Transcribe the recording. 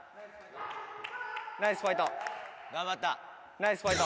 ナイスファイト。